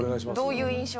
どういう印象？